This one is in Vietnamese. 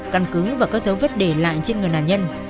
căn cứ và các dấu vết để lại trên người nạn nhân